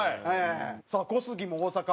さあ小杉も大阪。